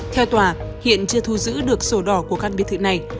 theo tòa hiện chưa thu giữ được sổ đỏ của căn biệt thự này